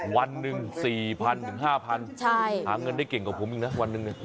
วันหนึ่งสี่พันถึงห้าพันใช่ถามเงินได้เก่งกว่าผมอีกนะวันหนึ่งหนึ่ง